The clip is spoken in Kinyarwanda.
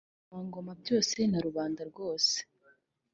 ibikomangoma byose na rubanda rwose